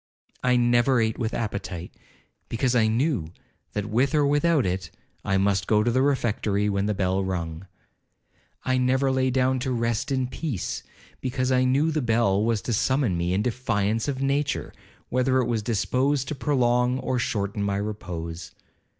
'I never ate with appetite, because I knew, that with or without it, I must go to the refectory when the bell rung. I never lay down to rest in peace, because I knew the bell was to summon me in defiance of nature, whether it was disposed to prolong or shorten my repose.